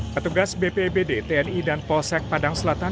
petugas bpbd tni dan polsek padang selatan